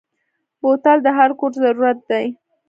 بوتل د هر کور ضرورت دی.